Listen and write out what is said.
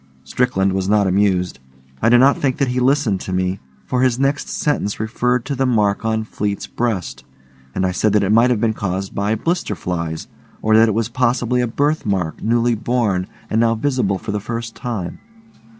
Strickland was not amused. I do not think that he listened to me, for his next sentence referred to the mark on Fleete's breast, and I said that it might have been caused by blister flies, or that it was possibly a birth mark newly born and now visible for the first time.